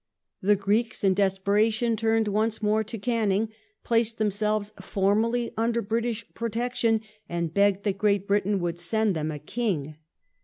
The Greeks in desperation turned once more to I Canning, placed themselves formally under British protection, and begged that Great Britain would send them a King.